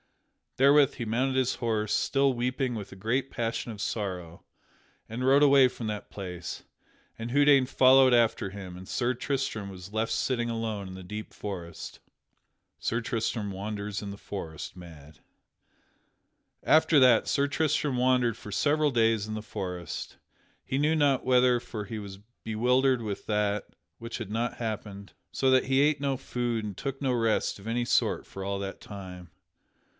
Therewith he mounted his horse, still weeping with a great passion of sorrow, and rode away from that place, and Houdaine followed after him and Sir Tristram was left sitting alone in the deep forest. [Sidenote: Sir Tristram wanders in the forest mad] After that Sir Tristram wandered for several days in the forest, he knew not whither for he was bewildered with that which had happened; so that he ate no food and took no rest of any sort for all that time.